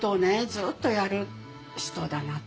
ずっとやる人だなと。